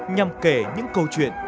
nhằm kể những câu chuyện